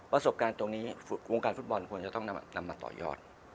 ประสบการณ์ตรงนี้วงการฟุตบอลควรจะต้องนำมาต่อยอด